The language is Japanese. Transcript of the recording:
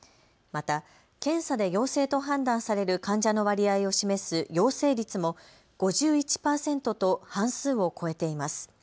また検査で陽性と判断される患者の割合を示す陽性率も５１％と半数を超えています。